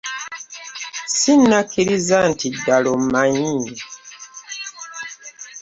Ssinnakkiriza nti ddala ommanyi.